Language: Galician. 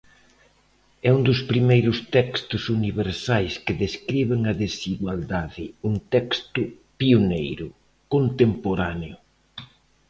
É un dos primeiros textos universais que describen a desigualdade; un texto pioneiro, contemporáneo.